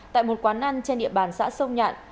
tại một quán ăn trên địa bàn xã sông nhạn